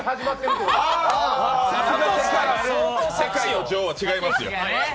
そうだとしたら世界の女王は違いますよ。